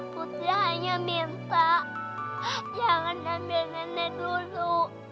kuti hanya minta jangan ambil nenek dulu